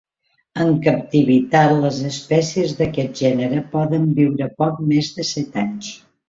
En captivitat les espècies d'aquest gènere poden viure poc més de set anys.